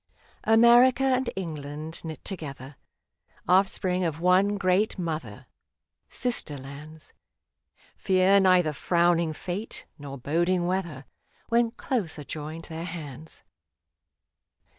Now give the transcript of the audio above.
55 . TO ENGLAND America and England knit together — Offspring of one great Mother, Sister Lands — Fear neither frowning fate nor boding weather, When close are joined their hands.